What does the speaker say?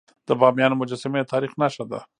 د بامیانو مجسمي د تاریخ نښه ده.